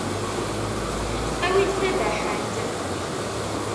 Awi-d tabaḥant.